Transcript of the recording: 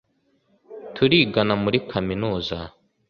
Turigana muri kaminuza